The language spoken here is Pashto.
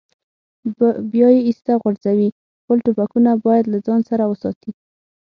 بیا یې ایسته غورځوي، خپل ټوپکونه باید له ځان سره وساتي.